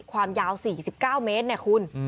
ความยาว๔๙เมตร